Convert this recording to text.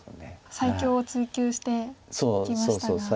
最強を追求していきましたが。